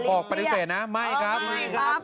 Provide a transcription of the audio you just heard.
แต่บอกปฏิเสธนะไม่ครับ